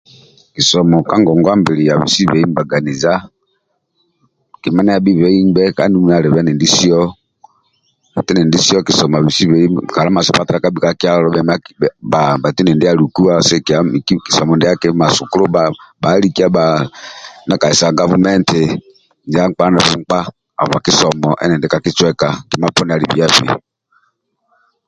Kisomo ka ngongwa mbili abikisibei mbaganiza kima ndia yabhibei ingbe kandulu ndia alibe endindisio hati endindisio kisomo abisibei kala masanyalazi kabhi ka kyalo bhaitu endindi alikua sigikilia miki kisomo ndiaki masukulu bhahalikia ndia kali sa gavumenti ndia nkpa na bukpa habwa kisomo endindi ka kicweka kima poni ali bia-bia